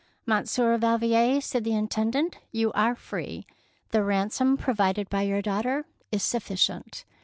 " Monsieur Valvier," said the Intend ant, ''you are free. The ransom pro vided by your daughter is sufficient.